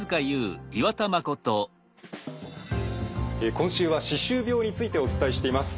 今週は歯周病についてお伝えしています。